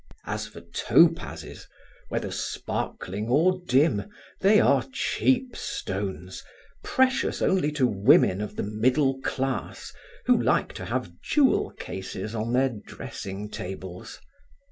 As for topazes, whether sparkling or dim, they are cheap stones, precious only to women of the middle class who like to have jewel cases on their dressing tables.